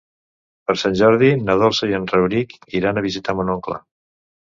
Per Sant Jordi na Dolça i en Rauric iran a visitar mon oncle.